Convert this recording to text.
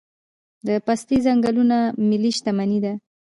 د پستې ځنګلونه ملي شتمني ده؟